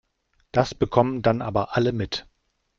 Das bekommen dann aber alle mit.